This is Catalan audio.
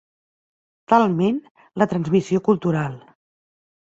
Talment la transmissió cultural.